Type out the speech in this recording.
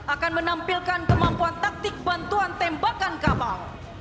akan menampilkan kemampuan taktik bantuan tembakan kapal